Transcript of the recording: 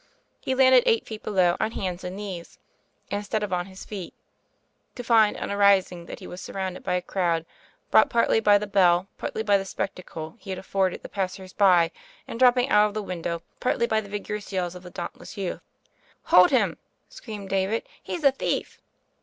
He landed eight feet below on hands and knees, instead of on his feet, to find on arising that he was surrounded by a crowd, brought partly by the bell, partly by the spectacle he had afforded the passers by in dropping out of the window, partly by the vig orous yells of the dauntless youth. "Hold him," screamed David. "He's a thief!"